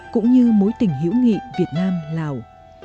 cũng như mối tình hiểu nghị việt nam lào